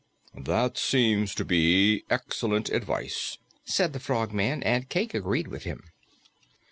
"This seems to be to be excellent advice," said the Frogman, and Cayke agreed with him.